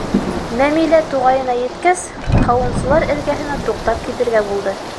Мәмилә туғайына еткәс, һауынсылар эргәһенә туҡтап китергә булды.